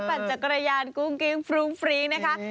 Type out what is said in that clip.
ปั่นจักรยานกุ้งกิ้งฟรุ้งฟรีนะคะ